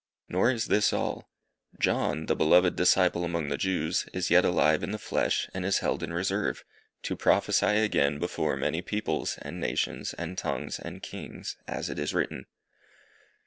Nor is this all John, the beloved disciple among the Jews, is yet alive in the flesh, and is held in reserve, to "prophesy again before many peoples, and nations, and tongues, and kings" as it is written.